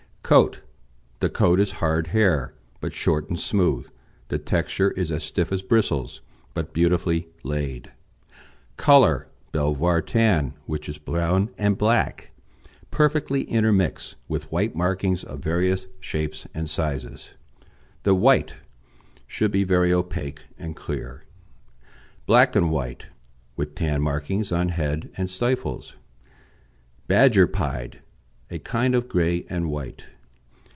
COAT The coat is hard hair, but short and smooth, the texture is as stiff as bristles, but beautifully laid. COLOUR Belvoir tan, which is brown and black, perfectly intermixed, with white markings of various shapes and sizes. The white should be very opaque and clear. Black and white, with tan markings on head and stifles. Badger pied a kind of grey and white.